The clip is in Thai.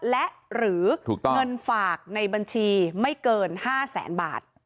และหรือเงินฝากในบัญชีไม่เกิน๕แสนบาท